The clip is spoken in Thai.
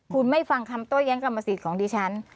คุณไม่ฟังคำโต้แย้งกรรมสิทธิ์ของดิฉัน